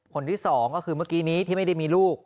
คนที่สองก็คือเมื่อกี้นี้ที่ไม่ได้มีลูก